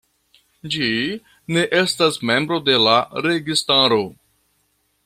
Ĝi ne estas membro de la registaro.